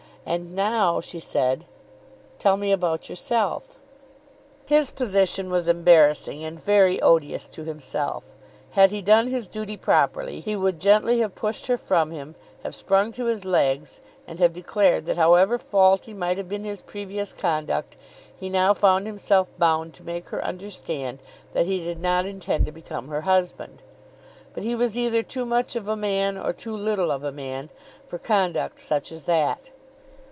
"And now," she said, "tell me about yourself?" His position was embarrassing and very odious to himself. Had he done his duty properly, he would gently have pushed her from him, have sprung to his legs, and have declared that, however faulty might have been his previous conduct, he now found himself bound to make her understand that he did not intend to become her husband. But he was either too much of a man or too little of a man for conduct such as that.